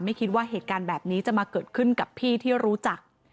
ไม่คิดว่าเหตุการณ์แบบนี้จะมาเกิดขึ้นกับพี่ที่รู้จัก